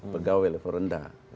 pegawai level rendah